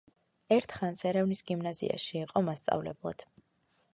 ერთხანს ერევნის გიმნაზიაში იყო მასწავლებლად.